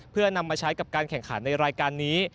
เพื่อนำมาใช้กับการแข่งขันในรายการนี้